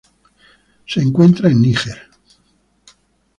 Se encuentra en Níger.